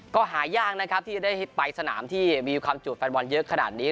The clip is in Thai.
ก็หายากนะครับที่จะได้ไปสนามที่มีความจูดแฟนบอลเยอะขนาดนี้